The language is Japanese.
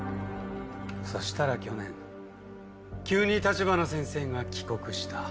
そしたら去年急に立花先生が帰国した。